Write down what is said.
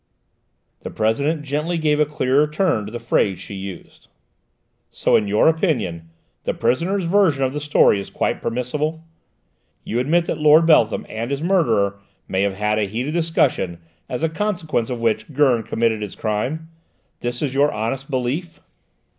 The President gently gave a clearer turn to the phrase she used. "So, in your opinion, the prisoner's version of the story is quite permissible? You admit that Lord Beltham and his murderer may have had a heated discussion, as a consequence of which Gurn committed this crime? That is your honest belief?"